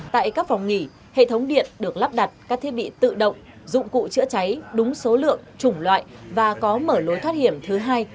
tại các phòng nghỉ hệ thống điện được lắp đặt các thiết bị tự động dụng cụ chữa cháy đúng số lượng chủng loại và có mở lối thoát hiểm thứ hai